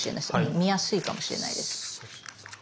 見やすいかもしれないです。